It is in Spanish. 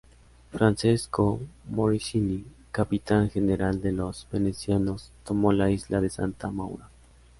Francesco Morosini, capitán general de los venecianos, tomó la isla de Santa Maura.